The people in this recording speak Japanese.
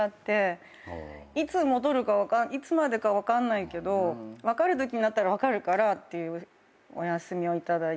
いつまでか分かんないけど分かるときになったら分かるからっていうお休みを頂いて。